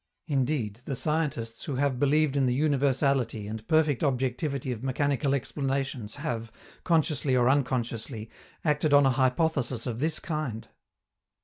Indeed, the scientists who have believed in the universality and perfect objectivity of mechanical explanations have, consciously or unconsciously, acted on a hypothesis of this kind.